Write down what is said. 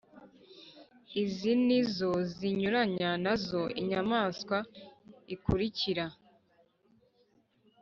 izi ni zo zinyuranya na zo: inyamaswa ikurikira